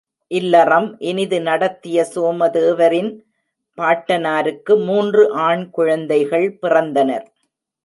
இல்லறம் இனிது நடத்திய சோமதேவரின் பாட்டனாருக்கு மூன்று ஆண் குழந்தைகள் பிறந்தனர்.